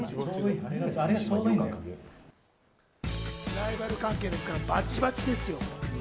ライバル関係ですから、バチバチですよ。